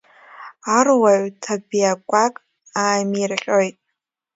Аруаҩ ҭабиақәак ааимирҟьоит.